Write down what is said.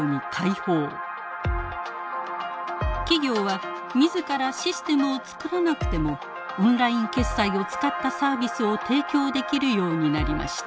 企業は自らシステムを作らなくてもオンライン決済を使ったサービスを提供できるようになりました。